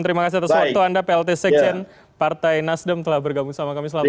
terima kasih atas waktu anda plt sekjen partai nasdem telah bergabung sama kami selama ini